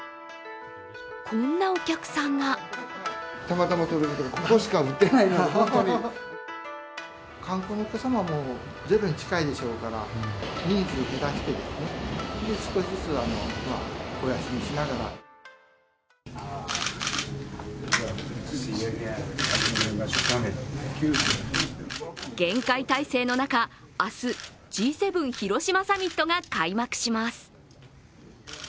こんなお客さんが厳戒態勢の中、明日Ｇ７広島サミットが開幕します。